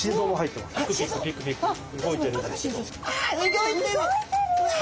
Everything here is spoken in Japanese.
動いてる！